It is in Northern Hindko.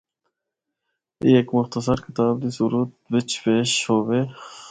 اے ہک مختصر کتاب دی صورت بچ پیش ہوے۔